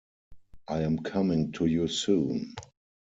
I am coming to you soon.